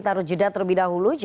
jadi selama pak jokowi